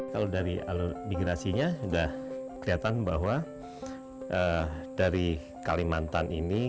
kalau dari alur migrasinya sudah kelihatan bahwa dari kalimantan ini